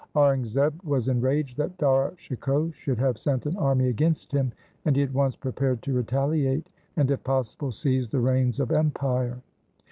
Aurangzeb was enraged that Dara Shikoh should have sent an army against him, and he at once prepared to retaliate and if possible seize the reins of empire.